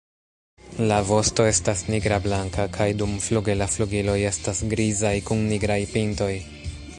La vosto estas nigrablanka kaj dumfluge la flugiloj estas grizaj kun nigraj pintoj.